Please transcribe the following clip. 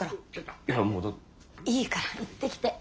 いいから行ってきて。